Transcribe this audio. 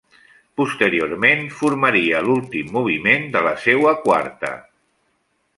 Posteriorment formaria l'últim moviment de la seua quarta.